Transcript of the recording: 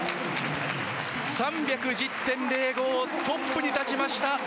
３１０．０５トップに立ちました。